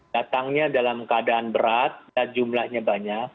datangnya dalam keadaan berat dan jumlahnya banyak